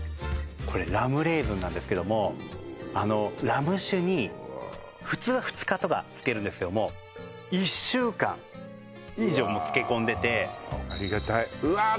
これラムレーズンなんですけどもあのラム酒に普通は２日とか漬けるんですけども１週間以上も漬け込んでてうわあありがたいわあ